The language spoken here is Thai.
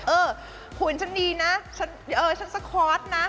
เออผู้หญิงฉันดีนะฉันสคอร์สนะ